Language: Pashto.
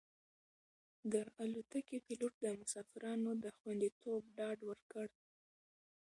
د الوتکې پېلوټ د مسافرانو د خوندیتوب ډاډ ورکړ.